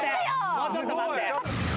もうちょっと待って。